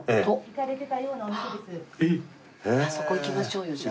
そこ行きましょうよじゃあ。